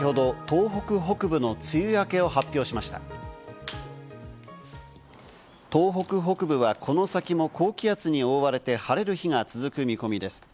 東北北部はこの先も高気圧に覆われて、晴れる日が続く見込みです。